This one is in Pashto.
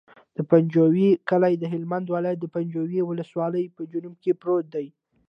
د پنجوایي کلی د هلمند ولایت، پنجوایي ولسوالي په جنوب کې پروت دی.